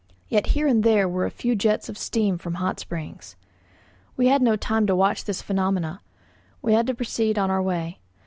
Yet here and there were a few jets of steam from hot springs. We had no time to watch these phenomena; we had to proceed on our way.